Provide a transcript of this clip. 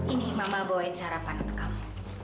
ini mama bawain sarapan ke kamu